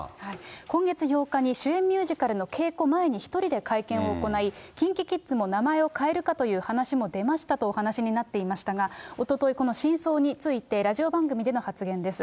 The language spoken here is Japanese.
今月８日に主演ミュージカルの稽古前に１人で会見を行い、ＫｉｎＫｉＫｉｄｓも名前を変えるかという話も出ましたとお話しになっていましたが、おととい、この真相についてラジオ番組での発言です。